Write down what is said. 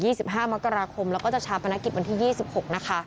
สิบห้ามกราคมแล้วก็จะชาปนกิจวันที่ยี่สิบหกนะคะ